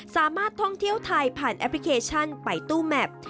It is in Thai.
สามารถท่องเที่ยวไทยผ่านแอปพลิเคชันไปตู้แมพ